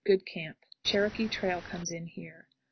Good camp. Cherokee trail comes in here.